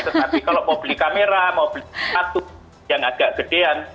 tetapi kalau mau beli kamera mau beli satu yang agak gedean